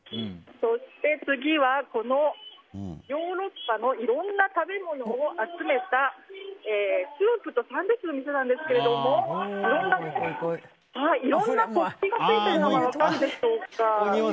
そして次はこのヨーロッパのいろんな食べ物を集めたスープとパンのお店ですがいろんな国旗がついているのが分かるでしょうか。